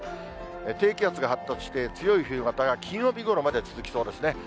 低気圧が発達して、強い冬型が金曜日ごろまで続きそうですね。